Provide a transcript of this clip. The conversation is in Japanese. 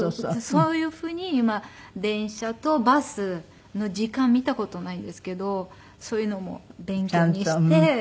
そういうふうに今電車とバスの時間見た事ないんですけどそういうのも勉強にして。